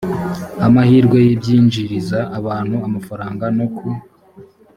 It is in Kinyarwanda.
amahirwe y ibyinjiriza abantu amafaranga no ku